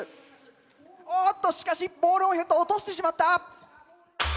おっとしかしボールオンヘッドを落としてしまった。